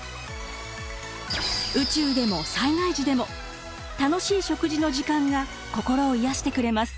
宇宙でも災害時でも楽しい食事の時間が心を癒やしてくれます。